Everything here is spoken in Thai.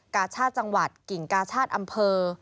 กาชาติจังหวัดกิ่งกาชาติอำเภอ